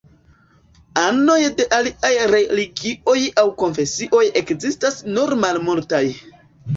Anoj de aliaj religioj aŭ konfesioj ekzistas nur malmultaj.